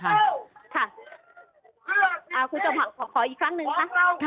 คุณสิริวัลขออีกครั้งหนึ่งค่ะ